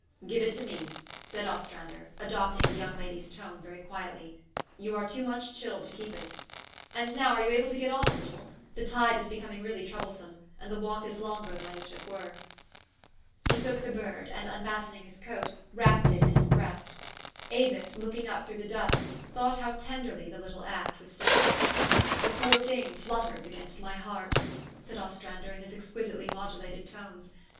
" Give it to me," said Ostrander, adopting the young lady's tone very quietly. "You are too much chilled to keep it. And now are you able to get on a little ? The tide is becoming really trouble some ; and the walk is longer than I wish it were." He took the bird, and, unfastening his coat, wrapped it in his breast. Avis, looking up through the dusk, thought how tenderly the little act was done. "The poor thing nutters against my heart," said Ostrander in his exquisitely modulated tones.